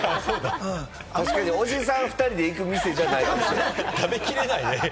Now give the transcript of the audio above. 確かに、おじさん２人で行く店じゃないですね。